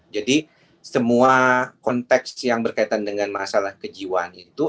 jadi semua konteks yang berkaitan dengan masalah kejiwaan itu